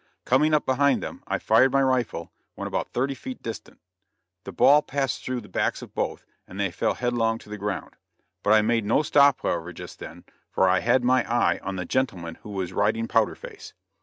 Coming up behind them I fired my rifle, when about thirty feet distant; the ball passed through the backs of both, and they fell headlong to the ground; but I made no stop however just then, for I had my eye on the gentleman who was riding Powder Face.